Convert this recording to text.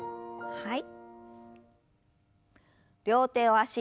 はい。